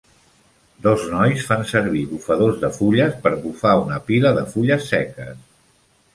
Dos nois fan servir bufadors de fulles per bufar una pila de fulles seques.